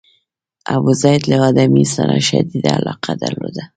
ابوزید له ادامې سره شدیده علاقه درلوده.